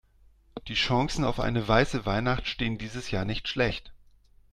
Die Chancen auf eine weiße Weihnacht stehen dieses Jahr nicht schlecht.